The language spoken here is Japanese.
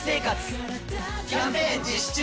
キャンペーン実施中！